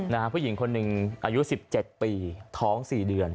ผู้หญิงคนหนึ่งอายุ๑๗ปีท้อง๔เดือน